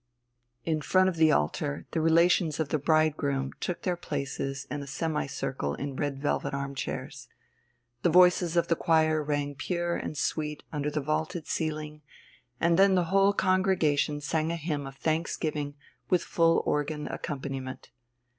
In front of the altar the relations of the bridegroom took their places in a semicircle in red velvet arm chairs. The voices of the choir rang pure and sweet under the vaulted ceiling, and then the whole congregation sang a hymn of thanksgiving with full organ accompaniment.